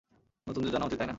নতুনদের জানা উচিত, তাই না?